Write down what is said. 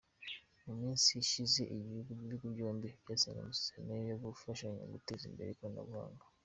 Mu minsi ishize ibihugu byombi byasinyanye amasezerano yo gufashanya mu guteza imbere ikoranabuhanga.